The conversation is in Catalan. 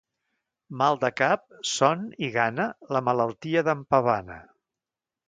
Mal de cap, son i gana, la malaltia d'en Pavana.